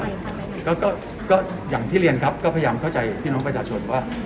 ก็ก็อย่างที่เรียนครับก็พยายามเข้าใจพี่น้องประชาชนว่า